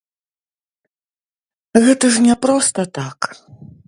Гэта ж не проста так!